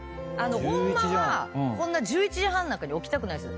ホンマはこんな１１時半なんかに起きたくないです。